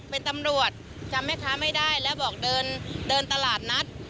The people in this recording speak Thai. เป็นตำรวจจำแม่ค้าไม่ได้แล้วบอกเดินเดินตลาดนัด